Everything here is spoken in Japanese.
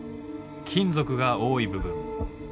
金属が多い部分。